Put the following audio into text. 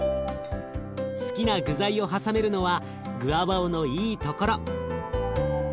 好きな具材を挟めるのはグアバオのいいところ。